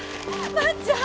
万ちゃん！